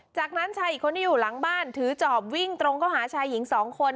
จากนั้นชายอีกคนที่อยู่หลังบ้านถือจอบวิ่งตรงเข้าหาชายหญิงสองคน